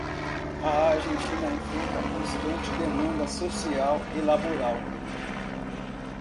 A Argentina enfrenta constante demanda social e laboral.